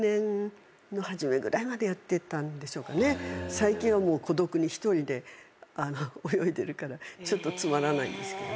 最近はもう孤独に独りで泳いでるからちょっとつまらないんですけど。